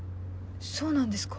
そうなんですか。